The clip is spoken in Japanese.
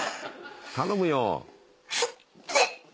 頼むよ。